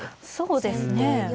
そうですね。